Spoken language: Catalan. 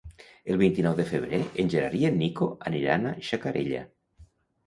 El vint-i-nou de febrer en Gerard i en Nico aniran a Xacarella.